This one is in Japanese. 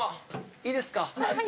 いいですか？